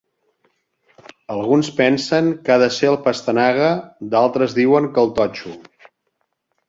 Alguns pensen que ha de ser el Pastenaga, d"altres diuen que el Totxo.